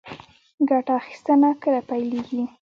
ګټه اخیستنه کله پیلیږي؟